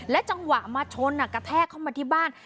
จังหวะมาชนกระแทกเข้ามาที่บ้าน